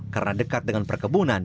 karena dekat dengan perkebunan